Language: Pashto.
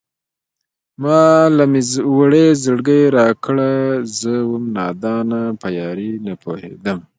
ما له مې وړی زړگی راکړه زه وم نادانه په يارۍ نه پوهېدمه